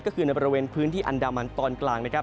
ก็คือในบริเวณพื้นที่อันดามันตอนกลางนะครับ